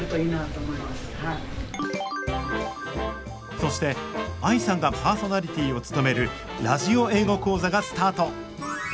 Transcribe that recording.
そしてＡＩさんがパーソナリティーを務める「ラジオ英語講座」がスタート。